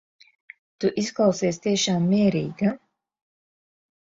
Tu izklausies tiešām mierīga.